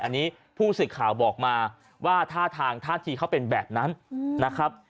อันนี้ผู้สื่อข่าวบอกมาว่าท่าทางท่าทีเขาเป็นแบบนั้นนะครับ